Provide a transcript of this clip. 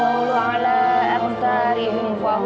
udah udah cepetan cepetan